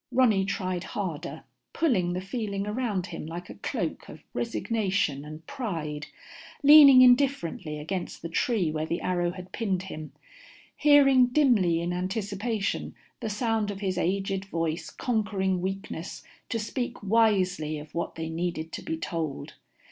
Ronny tried harder, pulling the feeling around him like a cloak of resignation and pride, leaning indifferently against the tree where the arrow had pinned him, hearing dimly in anticipation the sound of his aged voice conquering weakness to speak wisely of what they needed to be told.